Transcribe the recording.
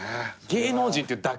芸能人っていうだけで。